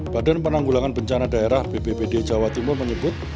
badan penanggulangan bencana daerah bppd jawa timur menyebut